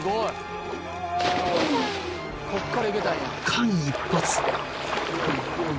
［間一髪］